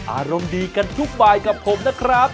อารมณ์ดีกันทุกบายกับผมนะครับ